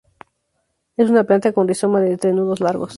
Es una planta con rizoma de entrenudos largos.